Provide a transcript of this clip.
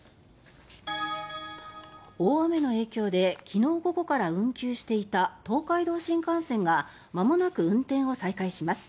大雨の影響で昨日午後から運休していた東海道新幹線がまもなく運転を再開します。